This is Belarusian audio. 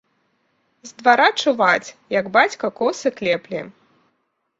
З двара чуваць, як бацька косы клепле.